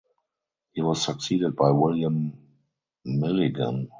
He was succeeded by William Milligan.